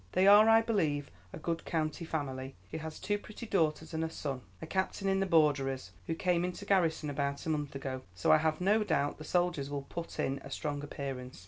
They are, I believe, a good county family. She has two pretty daughters and a son a captain in the Borderers, who came into garrison about a month ago; so I have no doubt the soldiers will put in a strong appearance."